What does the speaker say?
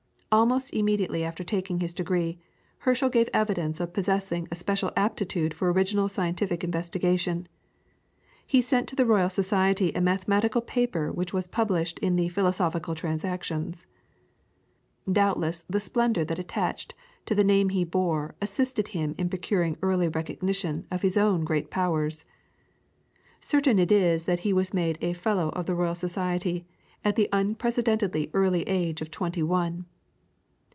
Almost immediately after taking his degree, Herschel gave evidence of possessing a special aptitude for original scientific investigation. He sent to the Royal Society a mathematical paper which was published in the PHILOSOPHICAL TRANSACTIONS. Doubtless the splendour that attached to the name he bore assisted him in procuring early recognition of his own great powers. Certain it is that he was made a Fellow of the Royal Society at the unprecedentedly early age of twenty one.